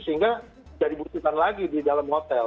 sehingga jadi butuhkan lagi di dalam hotel